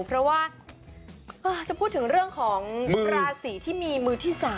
เพราะว่าจะพูดถึงเรื่องของราศีที่มีมือที่๓